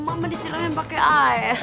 mama disiramin pakai air